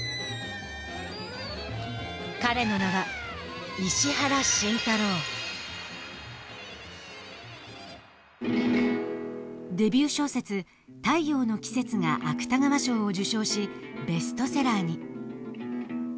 彼の名はデビュー小説「太陽の季節」が芥川賞を受賞しベストセラーに。